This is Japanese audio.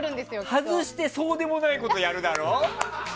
外してそうでもないことやるだろ？